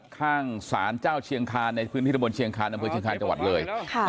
ข้างศาลเจ้าเชียงคานในพื้นที่ตะบนเชียงคานอำเภอเชียงคาญจังหวัดเลย